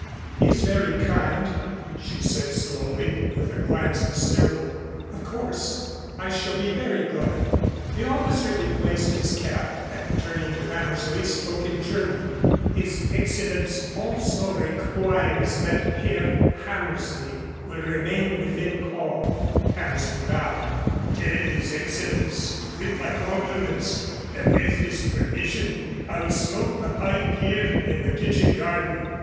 "He is very kind," she said slowly with a glance at Cyril. "Of course I shall be very glad." The officer replaced his cap and, turning to Hammersley, spoke in German. "His Excellenz also requests that Herr Hammersley will remain within call." Hammersley bowed. "Tell his Excellenz with my compliments that with his permission I will smoke my pipe here in the kitchen garden."